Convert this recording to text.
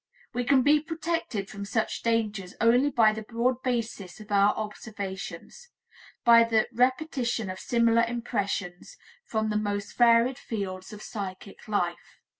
We can be protected from such dangers only by the broad basis of our observations, by the repetition of similar impressions from the most varied fields of psychic life.